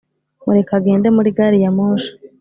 mureke agende muri gari ya moshi.